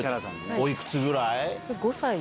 おいくつぐらい？